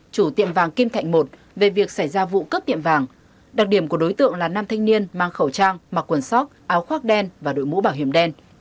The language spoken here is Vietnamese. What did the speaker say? chủ tiệm vàng kim thạnh một về việc xảy ra vụ cướp tiệm vàng đặc điểm của đối tượng là nam thanh niên mang khẩu trang mặc quần sóc áo khoác đen và đội mũ bảo hiểm đen